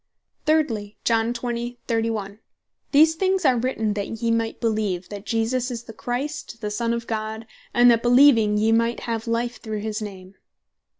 Thirdly, John 20. 31. "These things are written that yee might beleeve, that Jesus is the Christ, the Son of God, and that beleeving yee might have life through his name."